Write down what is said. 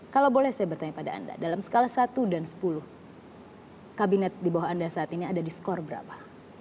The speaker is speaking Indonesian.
kalau boleh saya bertanya pada anda dalam skala satu dan sepuluh kabinet di bawah anda saat ini ada di skor berapa